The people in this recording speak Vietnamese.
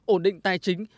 ổn định tài chính